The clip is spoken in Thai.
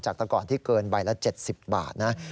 ตะก่อนที่เกินใบละ๗๐บาทนะ